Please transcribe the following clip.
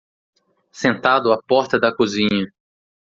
Sentado à porta da cozinha